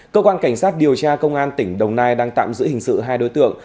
cơ quan cảnh sát điều tra công an tỉnh đồng nai đang tạm giữ hình sự hai đối tượng